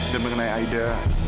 dan mengenai aida